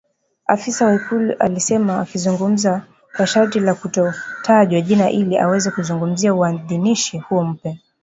Afisa wa ikulu alisema akizungumza kwa sharti la kutotajwa jina ili aweze kuzungumzia uidhinishaji huo mpya.